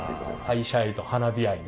会社愛と花火愛ね。